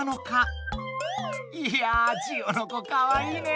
いやジオノコかわいいね。